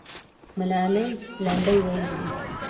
ملالۍ لنډۍ ویلې دي.